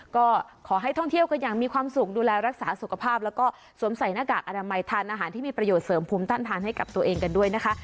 ก็ขอให้ท่องเที่ยวกันอย่างมีความสุขดูแลรักษาสุขภาพแล้วก็สวมใส่หน้ากากอนามัยทานอาหารที่มีประโยชนเสริมภูมิต้านทานให้กับตัวเองกันด้วยนะคะ